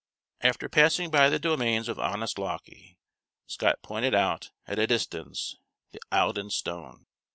After passing by the domains of honest Lauckie, Scott pointed out, at a distance, the Eildon stone.